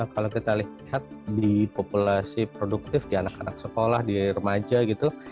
kalau kita lihat di populasi produktif di anak anak sekolah di remaja gitu